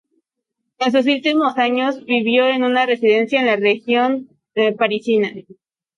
En sus últimos años vivió en una residencia en la región parisina.